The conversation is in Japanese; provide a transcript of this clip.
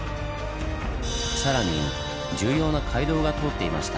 更に重要な街道が通っていました。